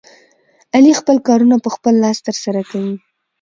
علي خپل کارونه په خپل لاس ترسره کوي.